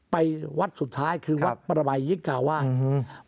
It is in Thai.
ไปวัดสุดท้ายคือวัดประบายยิกาวาสอืม